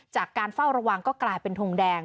จากการเฝ้าระวังก็กลายเป็นทงแดง